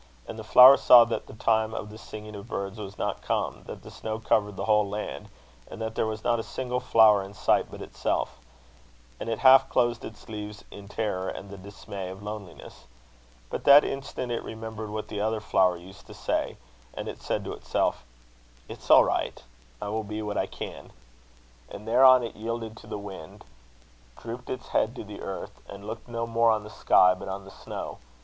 And the flower saw that the time of the singing of birds was not come, that the snow covered the whole land, and that there was not a single flower in sight but itself. And it half closed its leaves in terror and the dismay of loneliness. But that instant it remembered what the other flower used to say; and it said to itself: 'It's all right; I will be what I can.' And thereon it yielded to the wind, drooped its head to the earth, and looked no more on the sky, but on the snow.